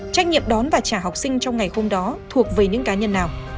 trách nhiệm đón và trả học sinh trong ngày hôm đó thuộc về những cá nhân nào